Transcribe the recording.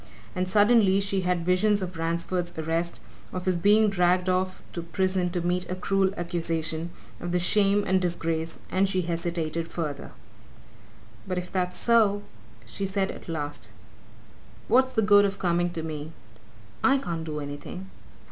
And suddenly she had visions of Ransford's arrest, of his being dragged off to prison to meet a cruel accusation, of the shame and disgrace, and she hesitated further. "But if that's so," she said at last, "what's the good of coming to me? I can't do anything!"